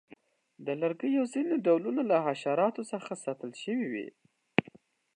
د لرګیو ځینې ډولونه له حشراتو څخه ساتل شوي وي.